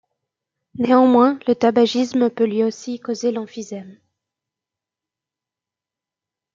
Néanmoins le tabagisme peut lui aussi causer l'emphysème.